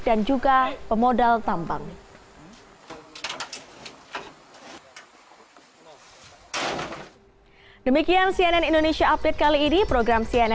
dan juga pemodal tambang